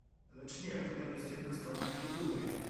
Lecz nie, tutaj jest jedna strona przeciw drugiej